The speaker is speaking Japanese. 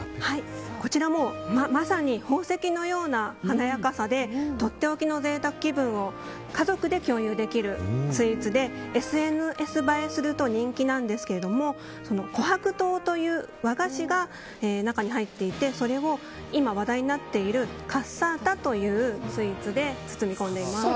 こちらもまさに宝石のような華やかさでとっておきの贅沢気分を家族で共有できるスイーツでＳＮＳ映えすると人気なんですけど琥珀糖という和菓子が中に入っていてそれを今、話題になっているカッサータというスイーツで包み込んでいます。